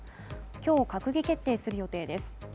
今日、閣議決定する予定です。